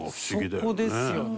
そこですよね。